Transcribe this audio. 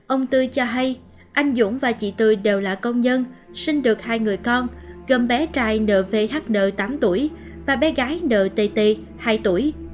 ông tư cho hay anh dũng và chị tư đều là công nhân sinh được hai người con gồm bé trai nvn tám tuổi và bé gái ntt hai tuổi